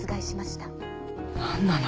何なの？